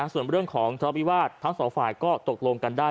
ส่วนเรื่องของทะเลาวิวาสทั้งสองฝ่ายก็ตกลงกันได้